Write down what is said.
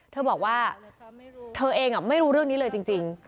เธอบอกว่าเธอเองไม่รู้เรื่องนี้เลยจริง